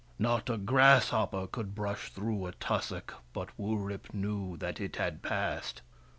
Not a. grasshopper could brush through a tussock but Wurip knew that it had passed.